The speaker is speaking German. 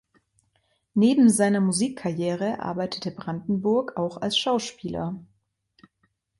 Neben seiner Musikkarriere arbeitete Brandenburg auch als Schauspieler.